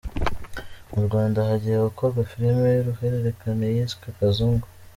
Mu Rwanda hagiye gukorwa filime y’uruhererekane yiswe Kazungu